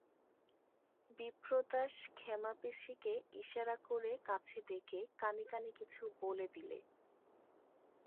বিপ্রদাস ক্ষেমাপিসিকে ইশারা করে কাছে ডেকে কানে কানে কিছু বলে দিলে।